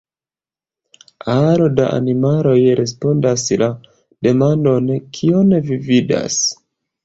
Aro da animaloj respondas la demandon "kion vi vidas?